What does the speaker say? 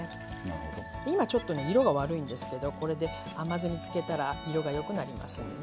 今ちょっとね色が悪いんですけどこれで甘酢に漬けたら色が良くなりますんでね。